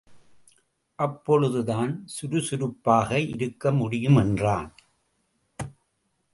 அப்பொழுதுதான் சுருசுருப்பாக இருக்க முடியும் என்றான்.